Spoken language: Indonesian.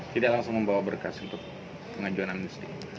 tidak langsung membawa berkas untuk pengajuan amnesti